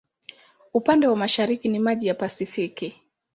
Upande wa mashariki ni maji ya Pasifiki.